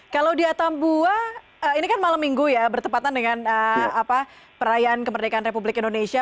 kalau di atambua ini kan malam minggu ya bertepatan dengan perayaan kemerdekaan republik indonesia